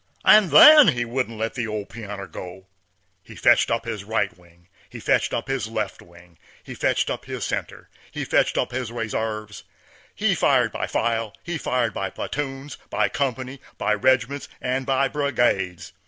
And then he wouldn't let the old pianner go. He fetcht up his right wing, he fetcht up his left wing, he fetcht up his center, he fetcht up his reserves. He fired by file, he fired by platoons, by company, by regiments, and by brigades.